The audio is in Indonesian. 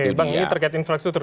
oke bang ini terkait infrastruktur